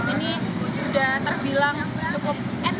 ini sudah terbilang cukup enak